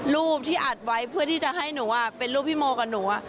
รูปที่อัดไว้เพื่อที่จะให้หนูเป็นรูปพี่โมกับหนู